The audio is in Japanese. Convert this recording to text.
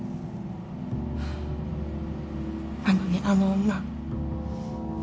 なのにあの女。